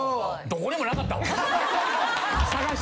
どこにもなかったわ。